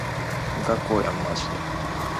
無加工やんまじで